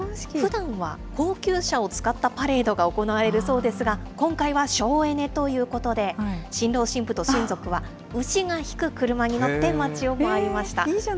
ふだんは高級車を使ったパレードが行われるそうですが、今回は省エネということで、新郎新婦と親族は、牛が引く車に乗って町を回りました。